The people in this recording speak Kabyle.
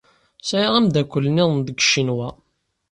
Sɛiɣ ameddakel niḍen deg Ccinwa.